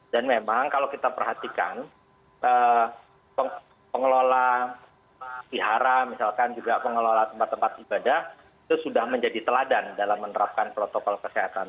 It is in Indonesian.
dan memang kalau kita perhatikan pengelola sihara misalkan juga pengelola tempat tempat ibadah itu sudah menjadi teladan dalam menerapkan protokol kesehatan